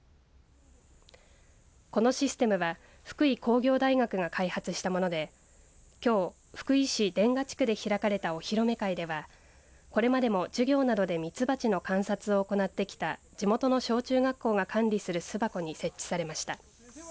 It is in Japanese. このシステムは福井工業大学が開発したものできょう、福井市殿下地区で開かれたお披露目会ではこれまでも授業などで蜜蜂の観察を行ってきた地元の小中学校が管理する巣箱に設置されました。